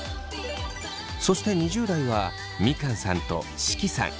そして２０代はみかんさんと識さん。